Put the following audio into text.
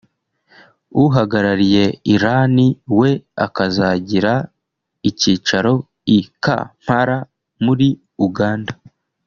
uhagarariye Iran we akazagira icyicaro i Kampala muri Uganda